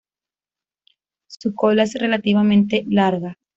Su cola es relativamente larga.